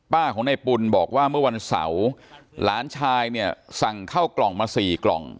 ของในปุ่นบอกว่าเมื่อวันเสาร์หลานชายเนี่ยสั่งเข้ากล่องมาสี่กล่อง